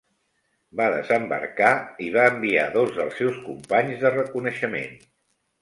Va desembarcar i va enviar dos dels seus companys de reconeixement.